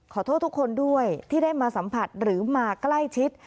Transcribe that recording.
ขอโทษทุกคนด้วยที่ได้มาสัมผัสหรือมาใกล้ชิด